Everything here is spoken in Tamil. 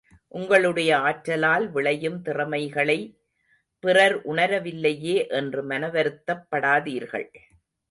உங்களுடைய ஆற்றலால் விளையும் திறமைகளை பிறர் உணரவில்லையே என்று மனவருத்தப் படாதீர்கள்.